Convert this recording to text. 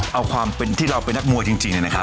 เอาความที่เราเป็นนักมัวจริงเลยนะครับ